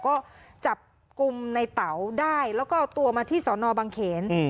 ก็จับกลุ่มในเต๋าได้แล้วก็เอาตัวมาที่สอนอบังเขน